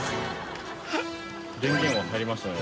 電源は入りましたね。